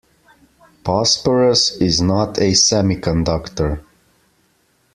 Phosphorus is not a semiconductor.